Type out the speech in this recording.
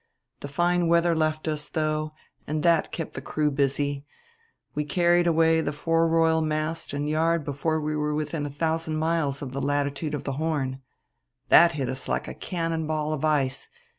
The fine weather left us, though, and that kept the crew busy; we carried away the fore royal mast and yard before we were within a thousand miles of the latitude of the Horn. That hit us like a cannon ball of ice.